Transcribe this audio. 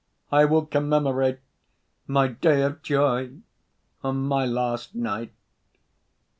I will commemorate my day of joy on my last night."